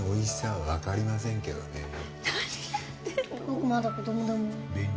僕まだ子供だもーん。